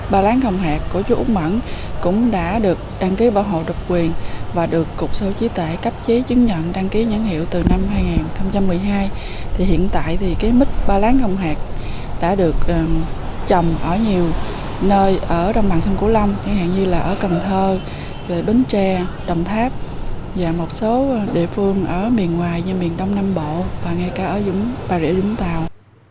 ba láng không hạt đã được trồng ở nhiều nơi ở đông bằng sông củ lâm chẳng hạn như là ở cần thơ bến tre đồng tháp và một số địa phương ở miền ngoài như miền đông nam bộ và ngay cả ở dũng bà rịa dũng tàu